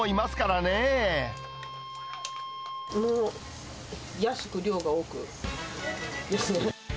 もう安く、量が多くですね。